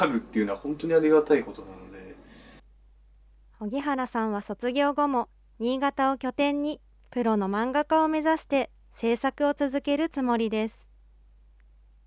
荻原さんは卒業後も新潟を拠点に、プロの漫画家を目指して、制作を続けるつもりです。